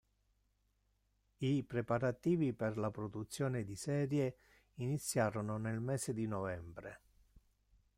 I preparativi per la produzione di serie iniziarono nel mese di novembre.